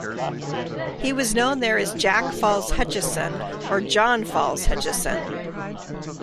He was known there as Jack Falls Hutchison or John Falls Hutchison.